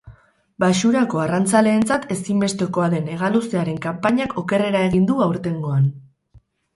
Baxurako arrantzaleentzat ezinbestekoa den hegaluzearen kanpainak okerrera egin du aurtengoan.